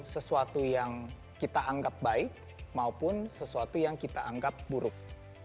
sesuatu yang kita anggap baik maupun sesuatu yang kita anggap buruk